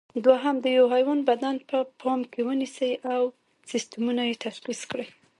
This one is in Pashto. دوهم: د یوه حیوان بدن په پام کې ونیسئ او سیسټمونه یې تشخیص کړئ.